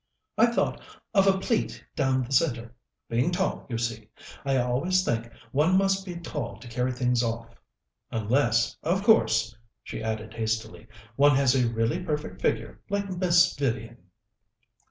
"I thought of a pleat down the centre, being tall, you see; I always think one must be tall to carry things off. Unless, of course," she added hastily, "one has a really perfect figure, like Miss Vivian."